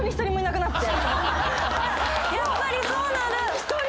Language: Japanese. やっぱりそうなる！